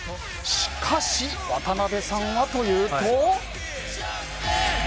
しかし、渡辺さんはというと。